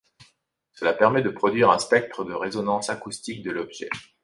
Cela permet de produire un spectre de résonance acoustique de l’objet.